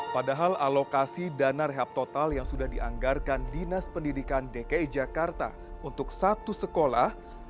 padahal alokasi dana rehab total yang sudah dianggarkan dinas pendidikan dki jakarta untuk satu sekolah